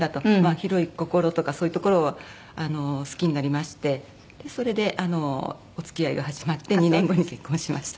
広い心とかそういうところを好きになりましてそれでお付き合いが始まって２年後に結婚しました。